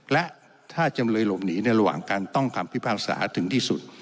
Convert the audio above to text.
และถ้าจำเลยหลบหนีในระหว่างการต้องคำพิพากษาถึงที่สุด